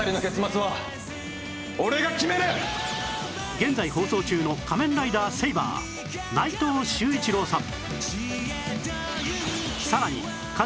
現在放送中の『仮面ライダーセイバー』内藤秀一郎さん